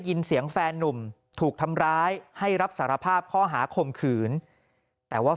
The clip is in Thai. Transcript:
ินเสียงแฟนนุ่มถูกทำร้ายให้รับสารภาพข้อหาข่มขืนแต่ว่า